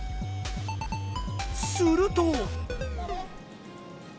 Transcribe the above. すると。